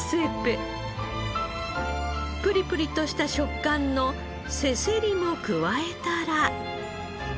プリプリとした食感のせせりも加えたら。